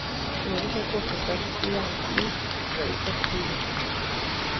Ni ubuhe bwoko bwa siyansi bwiga ku Ijwi?